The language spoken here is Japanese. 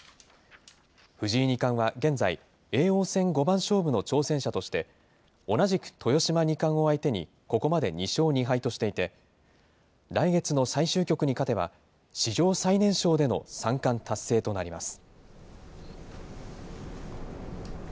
藤井二冠は現在、叡王戦五番勝負の挑戦者として、同じく豊島二冠を相手に、ここまで２勝２敗としていて、来月の最終局に勝てば、史上最年少での三冠達成となります。